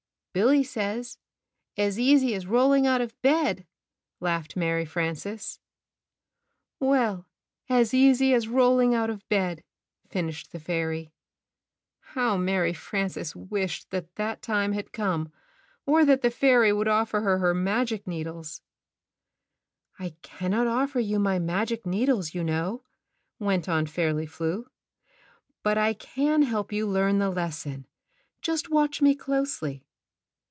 "Billy says, 'as easy as rolling out of bed/ " laughed Mary Frances. "Well, 'as easy as rolling out of bed,' " finished ''Yolll M"^ the fairy. ^ HerVOlUSi How Mary Frances wished that that time had Kratti^^ATiill Jbe e^ 166 Knitting and Crocheting Book come, or that the fairy would offer her her magic needles. "I cannot offer you my magic needles you know," went on Fairly Flew; "but I can help you learn the lesson. Just watch me closely."